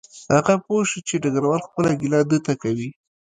هغه پوه شو چې ډګروال خپله ګیله ده ته کوي